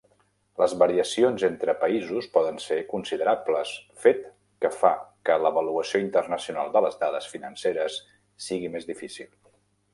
Les variacions entre països poden ser considerables, fet que fa que l'avaluació internacional de les dades financeres sigui més difícil.